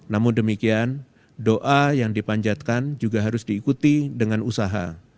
namun demikian doa yang dipanjatkan juga harus diikuti dengan usaha